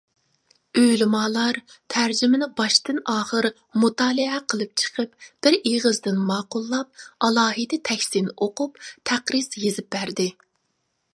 ئۆلىمالار تەرجىمىنى باشتىن-ئاخىر مۇتالىئە قىلىپ چىقىپ، بىر ئېغىزدىن ماقۇللاپ، ئالاھىدە تەھسىن ئوقۇپ، تەقرىز يېزىپ بەردى.